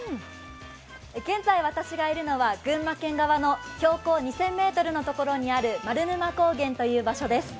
現在私がいるのは群馬県側の標高２０００ｍのところにある丸沼高原という場所です。